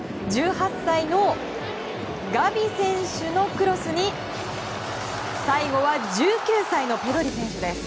１８歳のガビ選手のクロスに最後は１９歳のペドリ選手です。